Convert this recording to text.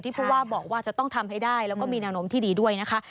เพราะว่าบอกว่าจะต้องทำให้ได้แล้วก็มีแนวโน้มที่ดีด้วยนะคะ